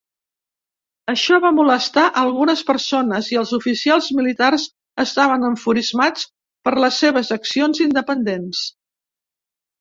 Això va molestar algunes persones i els oficials militars estaven enfurismats per les seves accions independents.